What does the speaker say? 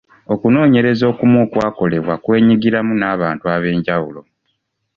Okunoonyereza okumu okwakolebwa kwenyigiramu n'abantu ab'enjawulo.